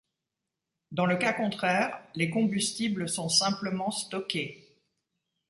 Dans le cas contraire les combustibles sont simplement stockés.